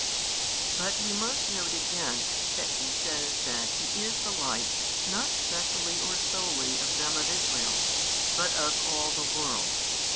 But we must note again that He says that He is the Light not specially or solely of them of Israel, but of all |563 the world.